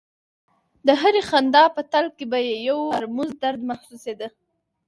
د هرې خندا په تل کې به یې یو مرموز درد محسوسېده